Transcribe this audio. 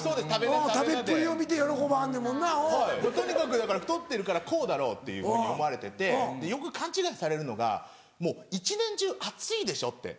食べっぷりを見て喜ばはんねんもんな。とにかくだから「太ってるからこうだろう」っていうふうに思われててよく勘違いされるのがもう一年中暑いでしょ？って。